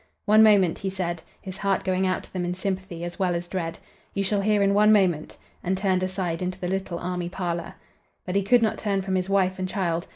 "One moment," he said, his heart going out to them in sympathy as well as dread. "You shall hear in one moment," and turned aside into the little army parlor. But he could not turn from his wife and child.